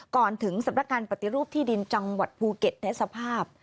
ก่อนถึงสำนักงานปฏิรูปที่ดินจังหวัดภูเก็ตในสภาพ